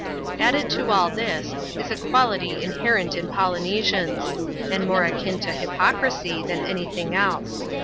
Added to all this, is a quality inherent in Polynesians ; and more akin to hypocrisy than any thing else.